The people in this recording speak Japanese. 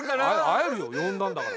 会えるよ呼んだんだから。